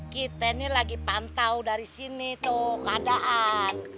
kita ini lagi pantau dari sini tuh keadaan